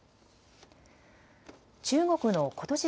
中国のことし